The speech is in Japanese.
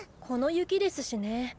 この雪ですしね。